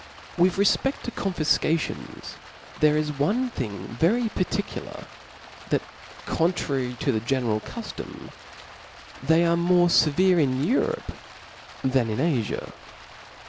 WI T JI rcfpeft to conBfcations, there is one thing .very particular, that contrary to the general cuftom, they are more fevere in Europe than in Afia.